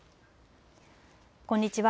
こんにちは。